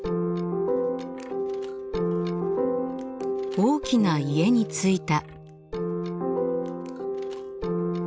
大きな家に着いた。